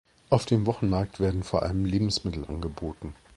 Auf dem Wochenmarkt werden vor allem Lebensmittel angeboten.